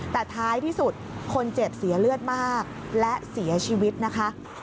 แต่ท้ายที่สุดคนเจ็บเสียเลือดมากและเสียชีวิตนะคะ